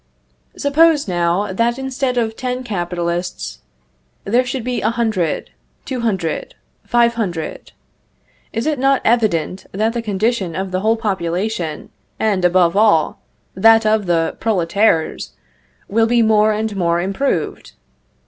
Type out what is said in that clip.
Suppose now, that instead of ten capitalists, there should be a hundred, two hundred, five hundred is it not evident that the condition of the whole population, and, above all, that of the "prolétaires," will be more and more improved?